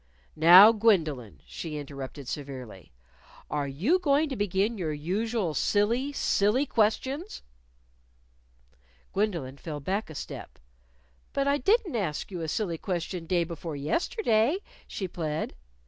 "Now, Gwendolyn," she interrupted severely, "are you going to begin your usual silly, silly questions?" Gwendolyn fell back a step. "But I didn't ask you a silly question day before yesterday," she plead.